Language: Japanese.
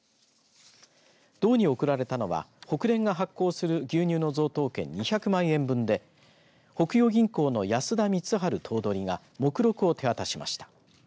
道に贈られたのはホクレンが発行する牛乳の贈答券２００万円分で北洋銀行の安田光春頭取が目録を手渡しました。